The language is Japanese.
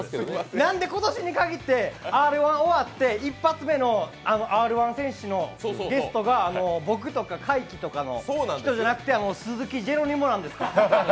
なんで今年に限ってＲ−１終わって一発目のＲ−１のゲストが僕とかじゃなくてもう鈴木ジェロニモなんですか？